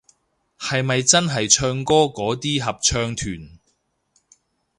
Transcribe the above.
係咪真係唱歌嗰啲合唱團